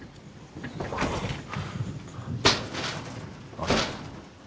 あれ。